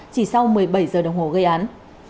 chỉ sau một mươi bảy giờ đồng hồ gây án